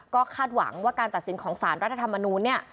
ก็คาดหวังว่าการตัดสินของสารรัฐธรรมนูลเนี่ย